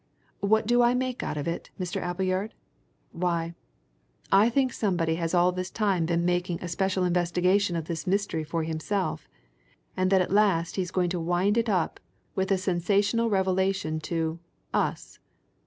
What do I make out of it, Mr. Appleyard? Why I think somebody has all this time been making a special investigation of this mystery for himself, and that at last he's going to wind it up with a sensational revelation to us!